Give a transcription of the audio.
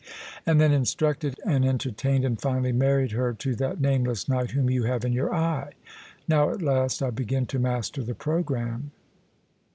" And then instructed and entertained and finally married her to that nameless knight whom you have in your eye. Now at last I begin to master the programme."